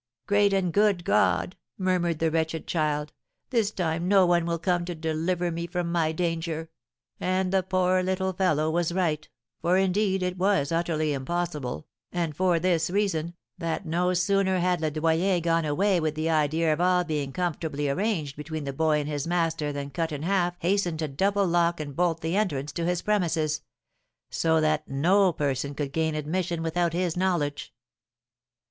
'Great and good God!' murmured the wretched child, 'this time no one will come to deliver me from my danger!' And the poor little fellow was right, for, indeed, it was utterly impossible, and for this reason, that no sooner had Le Doyen gone away with the idea of all being comfortably arranged between the boy and his master than Cut in Half hastened to double lock and bolt the entrance to his premises, so that no person could gain admission without his knowledge."